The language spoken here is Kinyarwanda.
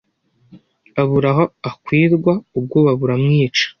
abura aho akwirwa ubwoba buramwica.